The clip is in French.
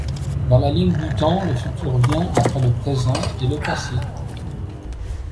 Dans la ligne du temps, le futur vient après le présent et le passé.